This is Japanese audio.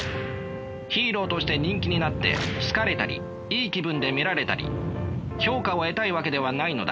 ヒーローとして人気になって好かれたりいい気分で見られたり評価を得たいわけではないのだから。